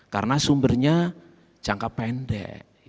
karena sumbernya jangka pendek